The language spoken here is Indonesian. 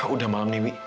udah malam nih wi